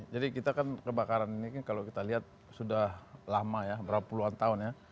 jadi kita kan kebakaran ini kalau kita lihat sudah lama ya berapa puluhan tahun ya